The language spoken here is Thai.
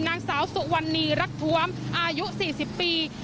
นางสาวสุวรรณีรักท้วมอายุ๔๐ปี